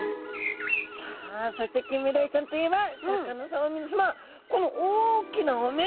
さあそしてキンメダイちゃんといえばシャーク香音さま皆さまこの大きなお目々。